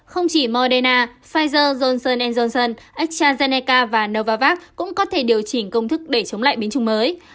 không chỉ moderna pfizer johnson johnson estrazeneca và novavax cũng có thể điều chỉnh công thức để chống lại biến chứng mới